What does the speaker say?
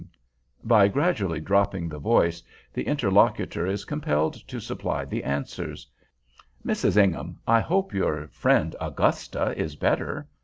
By gradually dropping the voice, the interlocutor is compelled to supply the answer. "Mrs. Ingham, I hope your friend Augusta is better."